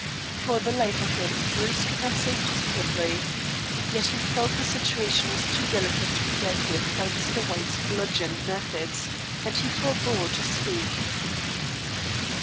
For the life of him, Bruce could not say positively. Yet he felt the situation was too delicate to be dealt with by Mr. White's bludgeon methods, and he forebore to speak.